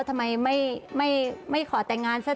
ทำไมไม่ขอแต่งงานสักที